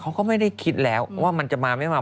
เขาก็ไม่ได้คิดแล้วว่ามันจะมาไม่มา